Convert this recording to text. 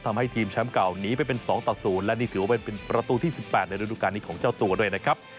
ทำให้ทีมแชมป์เก่าหนีไปเป็น๒ต่อ๐และนี่ถือว่าเป็นประตูที่๑๘ในฤดูการนี้ของเจ้าตัวด้วยนะครับ